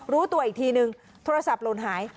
รู้ตัวอีกทีนึงโทรศัพท์หล่นหาย